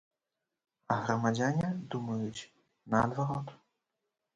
А грамадзяне думаюць наадварот.